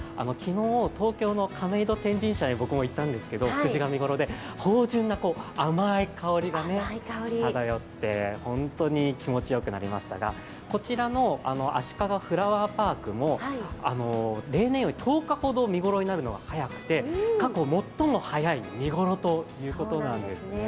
昨日、東京の亀戸天神社に僕も行ったんですが、藤の花が見頃で、芳醇な甘い香りがただよって、本当に気持ちよくなりましたが、こちらのあしかがフラワーパークも例年より１０日ほど見頃が来るのが早くて最も早くなっているんですね。